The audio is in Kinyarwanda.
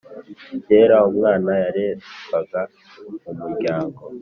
Kera umwana yarererwaga mu muryango